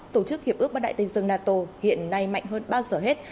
tổ chức hiệp ước bắc đại tây dương nato hiện nay mạnh hơn bao giờ hết